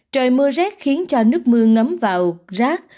trời mưa rét khiến cho nước mưa ngấm vào rác